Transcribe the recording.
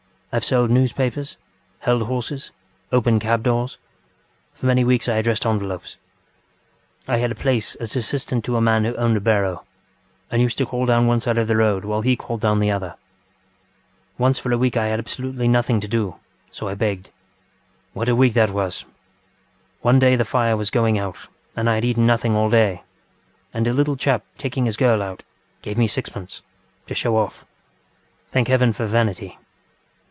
I have sold newspapers, held horses, opened cab doors. For many weeks I addressed envelopes. I had a place as assistant to a man who owned a barrow, and used to call down one side of the road while he called down the other. ŌĆ£Once for a week I had absolutely nothing to do, and I begged. What a week that was! One day the fire was going out and I had eaten nothing all day, and a little chap taking his girl out, gave me sixpenceŌĆöto show off. Thank heaven for vanity!